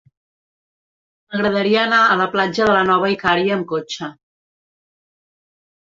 M'agradaria anar a la platja de la Nova Icària amb cotxe.